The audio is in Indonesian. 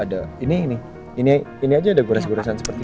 ada di dalam atau ada ini ini ini ini aja ada gores goresan seperti ini